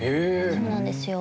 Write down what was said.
そうなんですよ。